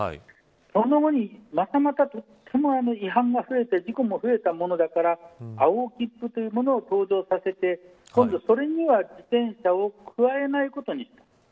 その後に、またまた違反が増えて事故が増えたものだから青切符というものを登場させて今度、それには自転車を加えないことにした。